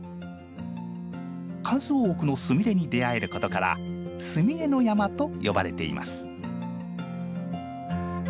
数多くのスミレに出会えることから「スミレの山」と呼ばれています。